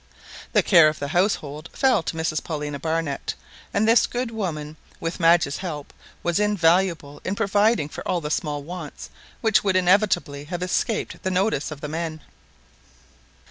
The care of the household fell to Mrs Paulina Barnett, and this good woman, with Madge's help, was invaluable in providing for all the small wants, which would inevitably have escaped the notice of the men.